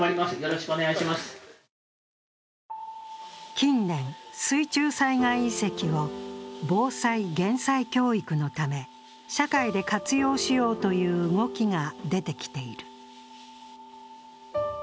近年、水中災害遺跡を防災・減災教育のため社会で活用しようという動きが出てきている。